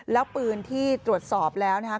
แล้วปืนที่ตรวจสอบแล้วนะครับ